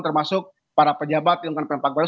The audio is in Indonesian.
termasuk para pejabat yang mempunyai dampak baru